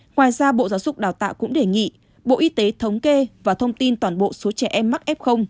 ngoài ra bộ giáo dục đào tạo cũng đề nghị bộ y tế thống kê và thông tin toàn bộ số trẻ em mắc f